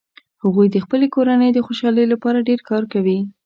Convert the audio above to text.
هغوي د خپلې کورنۍ د خوشحالۍ لپاره ډیر کار کوي